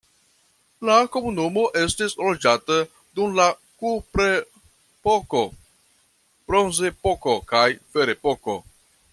La komunumo estis loĝata dum la kuprepoko, bronzepoko, kaj ferepoko.